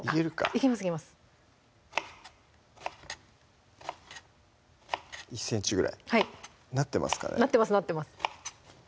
いけますいけます１ｃｍぐらいなってますかねなってますなってます